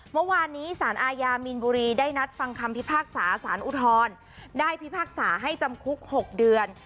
เมื่อวานนี้สารอาญามีนบุรีได้นัดฟังคำพิพากษาสารอุทธรณ์ได้พิพากษาให้จำคุก๖เดือน